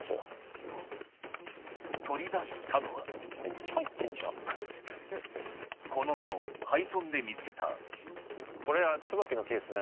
取り出したのはこの実も廃村で見つけたこれは椿の木ですね。